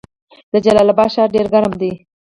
د جلال اباد ښار ډیر ګرم دی